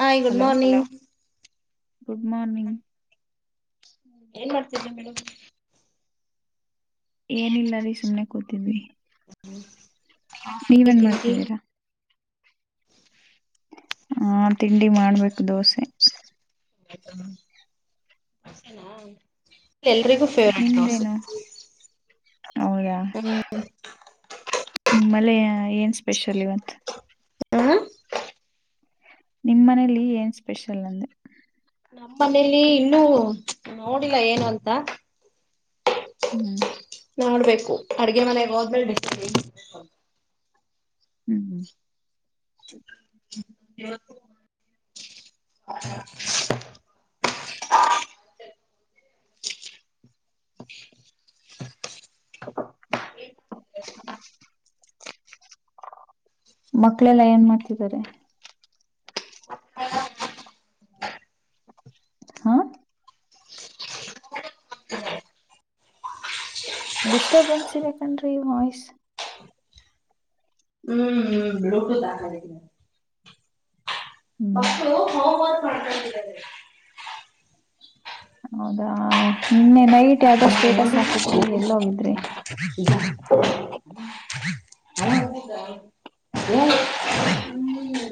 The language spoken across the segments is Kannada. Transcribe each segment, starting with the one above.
High good hello morning good morning ಏನ್ ಮಾಡ್ತಿದ್ದಿ ಮೇಡಮ್ ಏನಿಲ್ಲ ರೀ ಸುಮ್ನೆ ಕೂತಿದ್ವಿ ಈ ನೀವೇನ್ ತಿಂಡಿ ಮಾಡ್ತಿದ್ದೀರಾ ಹ ತಿಂಡಿ ಮಾಡ್ಬೇಕು ದೋಸೆ ದೋಸೆ ನಾ ಎಲ್ರಿಗೂ ಫೇವರೆಟ್ ದೋಸೆ ನಿಮ್ದೇನು ಹೌದಾ ನಿಮಲೇ ಏನ್ ಸ್ಪೆಷಲ್ ಇವತ್ತ್ ಹಾ ನಿಮ್ ಮನೇಲಿ ಏನ್ ಸ್ಪೆಷಲ್ ಅಂದೆ. ನಮ್ಮ ಮನೇಲಿ ಇನ್ನುೂ ನೋಡಿಲ್ಲ ಏನು ಅಂತ ಹ್ಮ್ ನೋಡ್ಬೇಕು ಅಡುಗೆ ಮನೆಗೆ ಹೋದ್ಮೇಲೇ [unintelligible] ಹ್ಮ್ ಹ್ಮ್ ಹ [inaudible] [inaudible] ಮಕ್ಕಳೆಲ್ಲ ಏನ್ ಮಾಡತಿದ್ದಾರೆ. [inaudible] ಹಾ ಹ ಡಿಸ್ಟರ್ಬೆನ್ಸ್ ಇದೆ ಕಣ್ರೀ ವಾಯ್ಸ್ ಹ್ಮ್ ಹ್ಮ್ ಬ್ಲೂಟುತ್ ಹಾಕೊಂಡಿದೀನಿ ಹ್ಮ್ ಮಕ್ಕಳು ಹೋಮ್ ವರ್ಕ್ ಮಾಡ್ಕೊತಿದ್ದಾರೆ. ಹೌದಾ ನಿನ್ನೆ ನೈಟ್ ಯಾವ್ದ ಸ್ಟೇಟಸ್ ಹಾಕಿದ್ರಿ ಎಲ್ಲೋಗಿದ್ರಿ ಹ [unintelligible]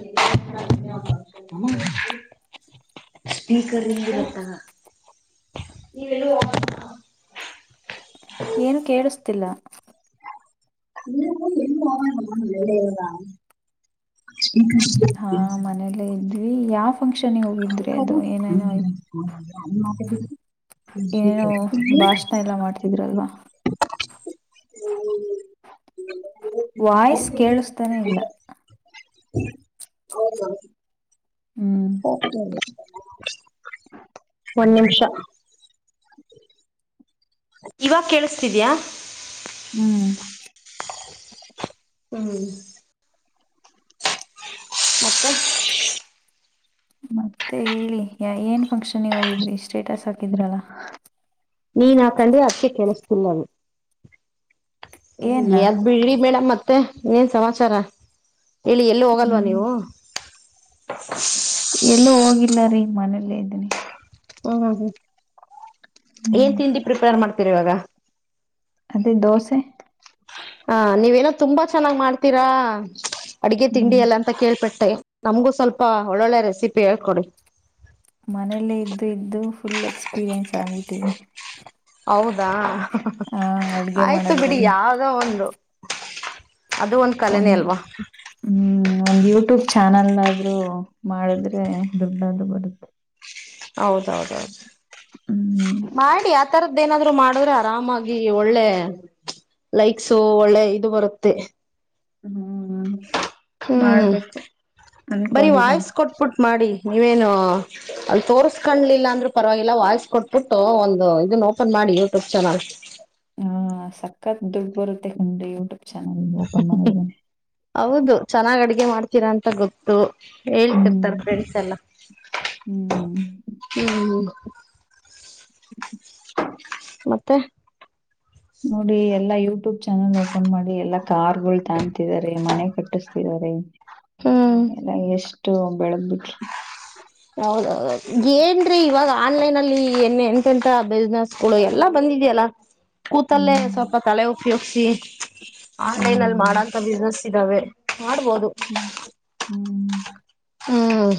ಸ್ಪೀಕರ್ ಹಂಗಿರುತ್ತಾ ನೀವೇಲು ಹೋಗಲ್ವಾ ಏನು ಕೇಳಸ್ತಿಲ್ಲ. ಇ ಇ ಎಳ್ಳೆಯಾ [unintelligible] ಹಾ ಮನೇಲ್ಲೇ ಇದ್ವಿ ಯಾವ ಫಂಕ್ಷನ್ಗೆ ಹೋಗಿದ್ರಿ ಹ ಅದು ಏನೇನೋ [unintelligible] ಏನೇನು ಭಾಷಣ ಎಲ್ಲಾ ಮಾಡ್ತಿದಿರಲ್ವಾ. ಹ್ಮ ವಾಯ್ಸ್ ಕೇಳಿಸ್ತಾನೆ ಇಲ್ಲ. ಹೌದಾ ಹ್ಮ್ ಒನ್ ನಿಮಿಷ ಇವಾಗ ಕೇಳಸತಿದ್ಯಾ ಹ್ಮ್ ಹ್ಮ್ ಮತ್ತೆ ಮತ್ತೆ ಹೇಳಿ ಯ ಏನ್ ಫಂಕ್ಷನಗೆ ಹೋಗಿದ್ರಿ ಸ್ಟೇಟಸ್ ಹಾಕಿದ್ರಲ್ಲ ನೀನ್ ಹಾಕಂಡೆ ಅದಕ್ಕೆ ಕೇಳಿಸತಿಲ್ಲ ಅದು ಏನ್ ಯದ್ ಬಿಡಿ ಮೇಡಮ್ ಮತ್ತೆ ಏನ್ ಸಮಾಚಾರ ಇಲ್ಲಿ ಎಲ್ಲಿ ಹೋಗಲ್ವಾ ಹ್ಮ್ ನೀವು ಇಲ್ಲ ರೀ ಮನೆಯಲ್ಲೇ ಇದೀನಿ. ಹ್ಮ್ ಹ್ಮ್ ಹ್ಮ್ ಏನ್ ಹ್ಮ್ ತಿಂಡಿ ಪ್ರಿಪೇರ್ ಮಾಡ್ತೀರಿ ಇವಾಗ ಅದೇ ದೋಸೆ ಹ ನೀವೇನೋ ತುಂಬಾ ಚೆನ್ನಾಗ್ ಮಾಡ್ತೀರಾ ಅಡಗೆ ತಿಂಡಿ ಹ್ಮ್ ಎಲ್ಲ ಅಂತ ಕೇಳ್ಪಟ್ಟೆ ನಮ್ಗೂ ಸ್ವಲ್ಪ ಒಳ್ಳೊಳ್ಳೆ ರೆಸಿಪಿ ಹೇಳ್ಕೊಡಿ ಮನೇಲ್ಲೇ ಇದ್ದು ಇದ್ದು ಫುಲ್ ಎಕ್ಸ್ಪೀರಿಯನ್ಸ್ ಆಗ್ಬಿಟ್ಟಿದೆ ಹೌದಾ ಆ ಅಡ್ಗೆ ಆಯ್ತು ಬಿಡಿ ಮಾಡೋದ್ರಲ್ಲಿ ಯಾವ್ದೋ ಒಂದು ಅದು ಕಲೆನೇ ಒಂದ್ ಅಲ್ವಾ ಹ್ಮ್ ಒಂದ ಇವತ್ತು ಯೂಟ್ಯೂಬ್ ಚಾನಲ್ ಆದ್ರೂ ಮಾಡಿದ್ರೆ ದುಡ್ಡದು ಬರುತ್ತೆ ಹೌದೌದೌದು ಹ್ಮ್ ಮಾಡಿ ಆತರದ ದೇನಾದ್ರು ಮಾಡದ್ರೆ ಆರಾಮಾಗಿ ಒಳ್ಳೆ ಲೈಕ್ಸು ಒಳ್ಳೆ ಇದು ಬರುತ್ತೆ ಹ್ಮ್ ಹ್ಮ್ ಮಾಡ್ಬೇಕು ಬರಿೀ ಅನ್ಕೊಂಡಿದೀನಿ ವಾಯ್ಸ್ ಕೊಟ್ಬಿಟ ಮಾಡಿ ನೀವೇನು ಅಲ್ಲಿ ತೋರ್ಸ್ಕೊಂಡ್ಲಿಲ್ಲ ಅಂದ್ರೂ ಪರವಾಗಿಲ್ಲ ವಾಯ್ಸ್ ಕೊಟ್ಬಿಟ್ಟು ಒಂದು ಇದನ್ ಓಪನ್ ಮಾಡಿ ಯೂಟ್ಯುಬ್ ಚ್ಯಾನಲ್ ಹಾ ಸಕ್ಕತ್ ದುಡ್ಡು ಬರುತ್ತೆ ಖಂಡು ಟ ಹೌದು ಚೆನ್ನಾಗ್ ಅಡ್ಗೆ ಮಾಡ್ತೀರಾ ಅಂತ ಗೊತ್ತು ಹ್ಮ್ ಹೇಳ್ಕರ್ತಾರೆ ಫ್ರೆಂಡ್ಸ್ ಎಲ್ಲ ಹ್ಮ್ ಹ್ಮ್ ಮತ್ತೆ ನೋಡಿ ಎಲ್ಲಾ ಯೂಟ್ಯೂಬ್ ಚಾನಲ್ ಓಪನ್ ಮಾಡಿ ಎಲ್ಲಾ ಕಾರ್ಗಳು ತಾಣತಿದಿದ್ದಾರೆ ಮನೆ ಕಟ್ಟಿಸ್ತಿದ್ದಾರೆ ಎಲ್ಲ ಎಷ್ಟು ಬೆಳದ್ಬಿಟ್ರು ಹೌದೌ ಏನ್ರೀ ಇವಾಗ ಆನ್ಲೈನ್ಲ್ಲಿ ಏನ್ ಎಂತೆಂತ ಬಿಸ್ನೆಸ್ ಗಳು ಎಲ್ಲಾ ಬಂದಿದೆಯಲ್ಲ ಕೂತಲ್ಲೇ ಹ್ಮ್ ಸ್ವಲ್ಪ ತಲೆ ಉಪಯೋಗ್ಸಿ ಆನ್ಲೈನ್ ಅಲ್ಲಿ ಹ್ಮ್ ಮಾಡೋಂತ ಬಿಸ್ನೆಸ್ ಇದ್ದಾವೆ ಮಾಡ್ಬೋದು ಹ್ಮ್ ಹ್ಮ್ ಹ್ಮ್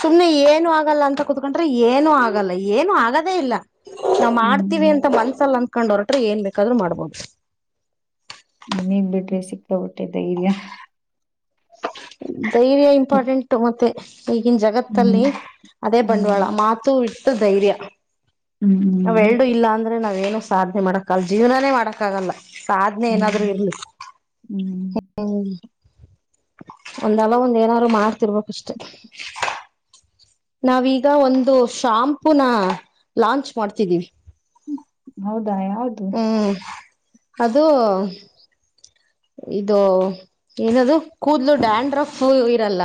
ಸುಮ್ನೆ ಏನು ಆಗಲ್ಲ ಅಂತ ಕುೂತ್ಕೊಂಡ್ರೆ ಏನು ಆಗಲ್ಲ ಏನು ಆಗದೇ ಇಲ್ಲ ನಾ ಮಾಡ್ತೀವಿ ಹ್ಮ್ ಅಂತ ಮನ್ಸಲ್ಲ ಅಂದಕೊಂಡ ಹೊರಟ್ರೆ ಏನ್ ಬೇಕಾದ್ರು ಮಾಡ್ಬೋದು ಸಿಕ್ಕಬಟ್ಟೆ ಧೈರ್ಯ ಧೈರ್ಯ ಇಂಪಾರ್ಟೆಂಟ್ ಮತ್ತೆ ಈಗಿನ ಜಗತ್ತಲ್ಲಿ ಹ್ಮ್ ಅದೇ ಬಂಡವಾಳ ಹ್ಮ್ ಮಾತು ಇಟ್ಟ ಧೈರ್ಯ ಹ್ಮ್ ನಾವ್ ಎರಡುೂ ಹ್ಮ್ ಇಲ್ಲಾಂದ್ರೆ ನಾವ್ೇಏನ ಸಾಧ್ಯ ಮಾಡಕ್ಕಲ್ ಜೀವನೇ ಮಾಡಕ್ಕ ಆಗಲ್ಲ ಸಾಧನೆ ಏನಾದ್ರು ಹ್ಮ್ ಇರ್ಲಿ ಹ್ಮ್ ಹ್ಮ್ ಒಂದಲ್ಲ ಒಂದ್ ಏನಾರರು ಮಾಡ್ತಿರ್ಬೇಕುಷ್ಟೆ ನಾವೀಗ ಒಂದು ಶಾಂಪೂನ ಲಾಂಚ್ ಮಾಡ್ತಿದ್ದೀವಿ ಹೌದಾ ಯಾದು ಹ್ಮ್ ಅದು ಇದು ಏನದು ಕೂದ್ಲು ಡ್ಯಾಂಡ್ರಫ್ ಇರಲ್ಲ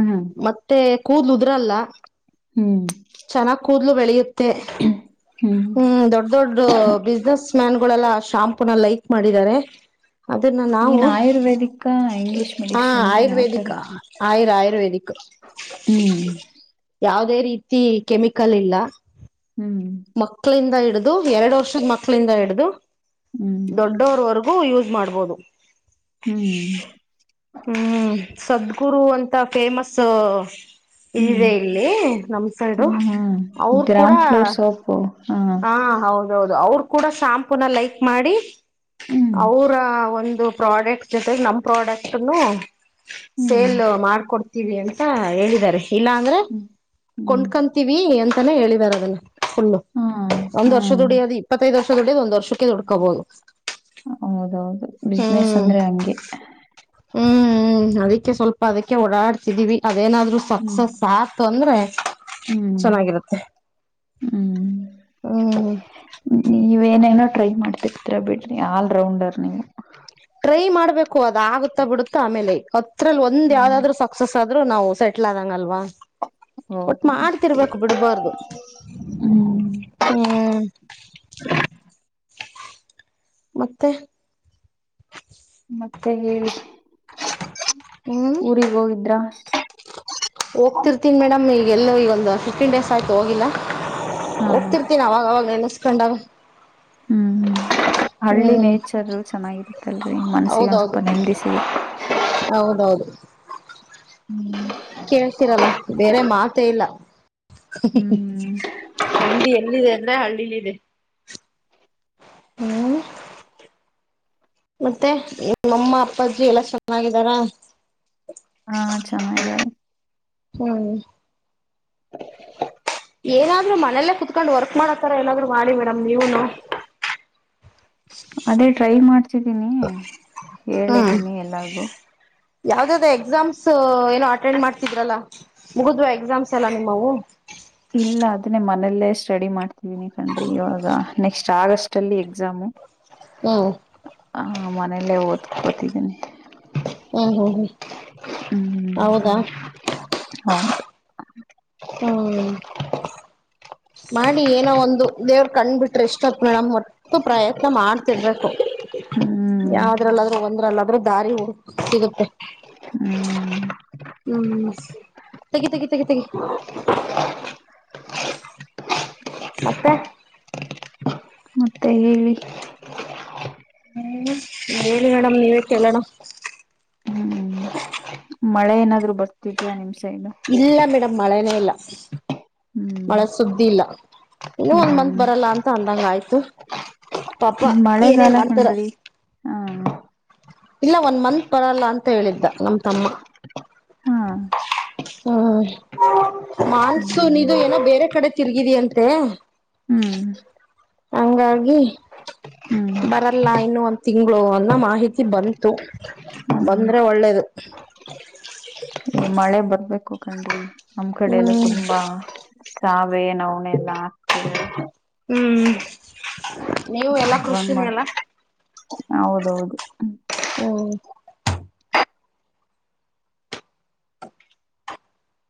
ಹ್ಮ್ ಮತ್ತೆ ಕೂದ ನುದ್ರಲ್ಲ ಹ್ಮ್ ಚೆನ್ನಾಗ್ ಕೂದ್ಲು ಬೆಳೆಯುತ್ತೆ ಮ ಹ್ಮ್ ದೊಡ್ ದೊಡ್ ಬಿಸ್ನೆಸ್ ಮ್ಯಾನ್ ಗಳೆಲ್ಲ ಅ ಶಾಂಪೂನ ಲೈಕ್ ಮಾಡಿದ್ದಾರೆ ಅದನ್ನ ನಾವು ಏನ್ ಆಯುರ್ವೇದಿಕ ಇಂಗ್ಲಿಷ್ ಹ ಮೆಡಿಷನ್ ಯಾವ ತರ ಆಯುರ್ವೇದಿಿಕ ಆಯುರ್ ಆಯುರ್ವೇದಿಕ್ ಹ್ಮ್ ಯಾದೇ ರೀತಿ ಕೆಮಿಕಲ್ ಇಲ್ಲ ಹ್ಮ್ ಮಕ್ಕಳಿಂದ ಹಿಡ್ದು ಎರಡು ವರ್ಷದ ಮಕ್ಕಳಿಂದ ಹಿಡ್ದು ಹ್ಮ್ ದೊಡ್ಡವರ್ವರ್ಗೂ ಹ ಯೂಸ್ ಮಾಡ್ಬೋದು ಹ್ಮ್ ಹ್ಮ್ ಸದ್ಗುರು ಅಂತ ಫೇಮಸ್ ಹ್ಮ್ ಇದಿದೆ ಇಲ್ಲಿ ನಮ್ ಸೈಡು ಅವರು ಕೂಡ ಹ ಹಾ ಅವರು ಕೂಡ ಶಂಪು ನ ಲೈಕ್ ಮಾಡಿ ಹ್ಮ್ ಅವರ ಒ ದು ಪ್ರಾಡಕ್ಟ್ ಜೊತೆಗೆ ನಮ್ ಪ್ರಾಡಕ್ಟ್ನ್ ಹ್ಮ್ ಸೇಲ್ ಮಾಡ್ಕೊಡ್ ವಿ ಅಂತ ಹೇಳಿದಿದ್ದಾರೆ ಇಲ್ಲಾ ಅಂದ್ರೆ ಹ್ಮ್ ಹ್ಮ್ ಕೊಂಡ್ಕಂತೀವಿ ಅಂತಾನೇ ಹೇಳಿದ್ದಾರೆ ಅದನ್ನ ಫುಲ್ಲು ಹಾ ಒಂದ್ ಹಾ ವರ್ಷ ದುಡಿಯೋದು ಇಪ್ಪತ್ತೈದು ವರ್ಷ ದುಡಿಯದು ಒಂದ್ ವರ್ಷಕ್ಕೆ ದುಡ್ಕೋಬಹದು ಹೌದೌದು ಬಿಸ್ನೆಸ್ ಅಂದ್ರೆ ಹಂಗೆ ಹ್ಮ್ ಅದಕ್ಕೆ ಸ್ವಲ್ಪ ಅದಕ್ಕೆ ಓಡಾಡ್ತಿದೀವಿ ಅದೇನಾದ್ರು ಹ್ಮ್ ಸಕ್ಸಸ್ ಆತು ಅಂದ್ರೆ ಹ್ಮ್ ಚೆನ್ನಾಗಿರುತ್ತೆ ಹ್ಮ್ ಹ್ಮ್ ನೀ ಏನೇನೋ ಟ್ರೈ ಮಾಡ್ತಿರ್ತಿರಾ ಬಿಡ್ರಿ ಆಲ್ ರೌಂಡರ್ ನೀವು ಟ್ರೈ ಮಾಡ್ಬೇಕು ಅದ ಆಗುತ್ತಾ ಬಿಡುತ್ತಾ ಆಮೇಲೆ ಹತ್ರರಲ್ಲಿ ಒಂದ ಹ್ಮ್ ಯಾವ್ದಾದ್ರು ಸಕ್ಸಸ್ ಆದ ಆದ್ರೂ ನಾವು ಸೆಟ್ಲ್ ಆದಂಗಲ್ವಾ ಒಟ್ಟು ಹೌದೌದು ಮಾಡ್ತಿರ್ಬೇಕು ಬಿಡ್ಬಾರ್ದು ಹ್ಮ್ ಹ್ಮ್ ಮತ್ತೆ [unintelligible] ಮತ್ತೆ ಹೇಳಿ ಹ್ಮ್ ಊರಿಗ್ ಹೋಗಿದ್ರಾ ಹೋಗ್ತಿರ್ತೀನ್ ಮೇಡಮ್ ಈ ಎಲ್ಲೂ ಈಗೊಂದು ಫಿಫ್ಟೀನ್ ಡೇಸ್ ಆಯ್ತು ಹೋಗಿಲ್ಲ ಹಾ ಹಾ ಹೋಗ್ತಿರ್ತೀನಿ ಅವಾಗವಾಗ ನೆನೆಸ್ಕೊಂಡವ ಹ್ಮ್ ಹಳ್ಳಿ ಹ್ಮ್ ನೇಚರ್ ಚೆನ್ನಾಗಿರುತ್ತಲ್ರಿ ಮನ್ಸಿಗೆ ಒಂದ ಹೌದೌದು ಸ್ವಲ್ಪ ನಿಲ್ದಿ ಸಿಗುತ್ತೆ ಹೌದೌದು ಹ್ಮ್ ಕೇಳ್ತೀರಲ್ಲ ಬೇರೆ ಮಾತ ಇಲ್ಲ ಹ್ಮ್ ನ್ದಿ ಎಲ್ಲಿದೆ ಅಂದ್ರೆ ಹಳ್ಳಿಲ್ಲಿ ಇದೆ ಹ್ಮ ಮತ್ತೆ ನಿಮ್ಮಮ್ಮ ಅಪ್ಪಾಜಿ ಎಲ್ಲಾ ಚೆನ್ನಾಗಿದ್ದಾರ ಹಾ ಚ ಯಾರ ಹ್ಮ್ ಏನಾದ್ರು ಮನೇಲ್ಲೇ ಕುೂತ್ಕೊಂಡ್ ವರ್ಕ್ ಮಾಡತಾರ ಏನಾದ್ರು ಮಾಡಿ ಮೇಡಮ್ ನೀವನು [unintelligible] ಅದೇ ಟ್ರೈ ಮಾಡ್ತಿದ್ದೀನಿ ಹೇಳಿದ್ದೀನಿ ಎಲ್ಲಗು ಯಾವ್ದಾದ್ದ ಎಕ್ಸಾಮ್ಸ್ ಏನೋ ಅಟೆಂಡ್ ಮಾಡ್ತಿದ್ರಲ್ಲ ಮುಗಿದ್ ಎಕ್ಸಾಮ್ಸ್ ಎಲ್ಲ ನಿಮ್ಮೂ ಇಲ್ಲ ಅದನ್ನೇ ಮನಲ್ಲೇ ಸ್ಟಡಿ ಮಾಡ್ತಿದನಿ ಕಣ್ರಿ ಇವಾಗ ನೆಕ್ಸ್ಟ್ ಆಗಸ್ಟ್ ಅಲ್ಲಿ ಎಕ್ಸಾಮು ಹ್ಮ ಹ ಮನೇಲ್ಲೇ ಓದ್ಕೋತಿದ್ದೀನಿ ಹ್ಮ್ ಹ್ಮ್ ಹ್ಮ್ ಹ್ಮ್ ಹೌದಾ ಹೌದು ಹ್ಮ್ ಮಾಡಿ ಏನೋ ಒಂದು ದೇವ್ರ ಕಂಡ್ ಬಿಟ್ರೆ ಎಷ್ಟ ಹಕ್ ಮೇಡಮ್ ಹೊ ಪ್ರಯತ್ನ ಮಾಡ್ತಿರ್ಬೇಕು ಹ್ಮ್ ಯಾವದ್ರಲ್ಲಾದ್ರೂ ಒಂದ್ರಲ್ಲ ಆದ್ರೆ ದಾರಿ ಹ ಸಿಗುತ್ತೆ ಹ್ಮ್ ಹ್ಮ್ ತಗಿ ತಗಿ ತಗಿಗಿ ಮತ್ತೆ ಮತ್ತೆ ಹೇಳಿ ಹ್ಮ್ ಹೇಳಿ ಮೇಡಮ್ ನೀವೇ ಕೇಳೋಣ ಹ್ಮ್ ಮಳೆ ಏನಾದ್ರು ಬರ್ತಿದಾ ನಿಮ್ ಸೈಡ್ ಇಲ್ಲ ಮೇಡಮ್ ಮಳೆನೇ ಇಲ್ಲ ಹ್ಮ್ ಮಳೆ ಸುದ್ದಿ ಇಲ್ಲ ಇನ್ನು ಒಂದ್ ಹ್ಮ್ ಮಂತ್ ಬರಲ್ಲ ಅಂತ ಅಂದಂಗ ಆಯ್ತು ಪಾಪ ಮಳೆಗಾಲ ಏನೇನ್ ಮಾಡ್ತಾರ ಕಣ್ರಿ ಹಾ ಇಲ್ಲ ಒಂದ ಮಂತ್ ಬರಲ್ಲ ಅಂತ ಹೇಳಿದ್ದ ನಮ ತಮ್ಮ ಹಾ ಹ್ಮ ಮಾಲ್ಸುನಿದು ಹ್ಮ್ ಏನೋ ಬೇರೆ ಕಡೆ ತಿರ್ಗಿದಿ ಅಂತೆ ಹ್ಮ್ ಹಂಗಾಗಿ ಹ್ಮ್ ಬರಲ್ಲ ಇನ್ನು ಒಂದ ತಿಂಗಳು ಅನ್ನ ಮಾಹಿತಿ ಬಂತು ಹ್ಮ್ ಬಂದ್ರೆ ಒಳ್ಳೇದು [unintelligible] ಬೇಕು ಕಂಡ್ರಿ ನಮ್ ಕಡೆ ಎಲ್ಲ ಹ್ಮ್ ತುಂಬಾ ಸಾವೇ ನವಣೆಲ್ಲಾ ಹಾಕ್ತವಿ ಹ್ಮ್ ನೀವು ಎಲ್ಲಾ ಇವಾಗ ಕಖೃಷಿನೆ ಮಾಡ ಅಲ್ಲ ಹೌದೌದು ಹ್ಮ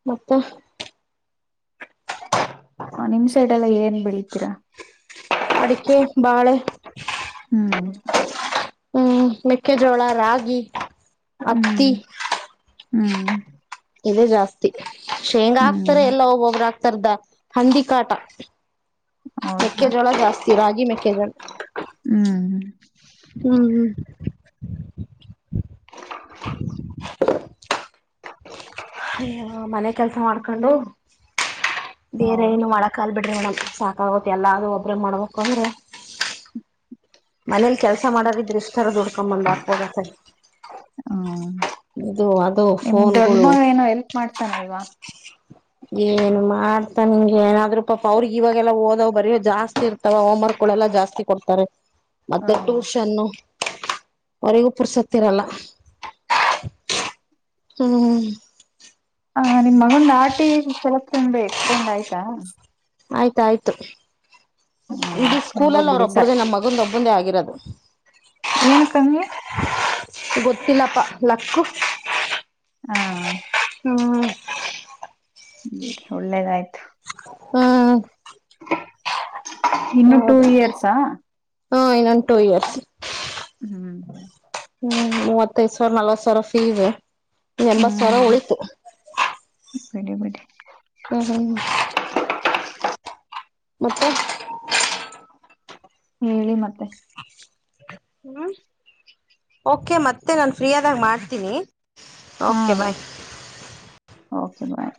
ಮತ್ತೆ ನಿಮ ಸೈಡ್ ಎಲ್ಲ ಏನ್ ಬೆಳಿತೀರಾ ಅಡಿಕೆ ಬಾಳೆ ಹ್ಮ್ ಹ್ಮ್ ಮೆಕ್ಕೆಜೋಳ ರಾಗಿ ಹ್ಮ್ ಹತ್ತಿ ಹ್ಮ್ ಇದೇ ಜಾಸ್ತಿ ಶೇಂಗ ಹ್ಮ್ ಆಕ್ತಾರೆ ಎಲ್ಲಾ ಒಬ್ಬೊಬರು ಆಕ್ತಾರ ಹಂದಿಕಾಟ ಹೌದಾ ಮೆಕ್ಕೆಜೋಳ ಜಾಸ್ತಿ ರಾಗಿ ಮೆಕ್ಕೆಜೋಳ ಹ್ಮ್ ಹ್ಮ ಹ್ಮ [unintelligible] ಅಯ ಮನೆ ಕೆಲ್ಸ ಮಾಡ್ಕೊಂಡು ಬೇರೆ ಹೌದು ಏನು ಮಾಡಕ ಆಗಲ್ಲ ಬಿಡ್ರಿ ಮಡ್ಮ ಸಾಕಾಗತ್ ಎಲ್ಲ ಅದು ಒಬ್ರ ಮಾಡ್ಬಕ್ ಅಂದ್ರೆ [unintelligible] ಮನೇಲಿ ಕೆಲ್ಸ ಮಾಡಾರ ಇದ್ರ ಇಷ್ಟರ ದುಡ್ಕೊಂಬಂದು್ ಆಗ್ತದತರಿ ಹ್ಮ್ ಇದು ಅದು ನಿಮ್ ದೊಡ್ಡ ಫೋನ್ಗಳು ಮಗ ಏನೋ ಹೆಲ್ಪ್ ಮಾಡ್ತಾನಲ್ವಾ ಏನ್ ಮಾಡ್ತಾ ನಿಂಗೆ ಏನಾದ್ರೂ ಪಾಪ ಅವ್ರಿಗೆ ಇವಾಗೆಲ್ಲಾ ಓದವ್ ಬರಯೋ ಜಾಸ್ತಿ ಇರ್ತಾವ ಹೋಮ್ವರ್ಕ್ ೆಲ್ಲ ಜಾಸ್ತಿ ಕೊಡ್ತಾರೆ ಮತ್ತೆ ಹ್ಮ್ ಟ್ಯೂಷನ್ನು ಅವರಿಗೂ ಪುರ್ಸತ್ತಿರಲ್ಲ ಹ್ಮ್ ಹ ನಿಮ್ ಮಗನ್ ನಾಟಿ ಸೆಲತಿ ಎಕ್ಸ್ಟೆಂಡ್ ಆಯ್ತಾ ಆಯ್ತಾಯ್ತು ಹ್ಮ ಇಡೀ ಸ್ಕೂಲಲ್ಲಿ ಹಂಗೋಗ್ಬಿಡಿ ಸರ್ ಅವ್ರೊಬ್ಬ್ರ್ದೇ ನಮ್ಮ್ ಮಗಂದ ಒಬ್ಬಂದೇ ಆಗಿರೋದು ಏನಕ್ಕಂಗೆ ಗೊತ್ತಿಲ್ಲಪ್ಪಾ ಲಕ್ಕು ಹಾ ಹ್ಮ ಬಿಡಿ ಒಳ್ಳೇದಾಯ್ತು ಹ್ಮ್ ಇನ್ನು ಟೂ ಹೌದು ಇಯರ್ಸಾ ಹಾ ಇನ್ನೊಂದು ಟು ಇಯರ್ಸ್ ಹ್ಮ್ ಹ್ಮ ಹ್ಮ್ ಮೂವತ್ತೈದ ಸಾವಿರ ನಲ್ವತ್ ಸಾವಿರ ಫೀಸ್ ಎಂಬತ್ ಸಾವಿರ ಹ್ಮ್ ಉಳಿತು ಬಿಡಿ ಬಿಡಿ ಹ್ಮ್ ಹ್ಮ್ ಮತ್ತೆ ಹೇಳಿ ಮತ್ತೆ ಹ್ಮ್ ಓಕೆ ಮತ್ತೆ ನಾನ್ ಫ್ರೀಯಾದಾಗ ಮಾಡ್ತೀನಿ ಓಕೆ ಬಾಯ್ ೆ ಬಾಯ